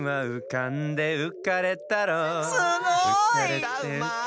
うたうまい！